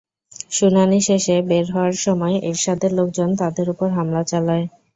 শুনানি শেষে বের হওয়ার সময় এরশাদের লোকজন তাঁদের ওপর হামলা চালায়।